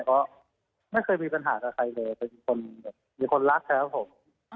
เพราะไม่เคยมีปัญหากับใครเลยเป็นคนมีคนรักครับผม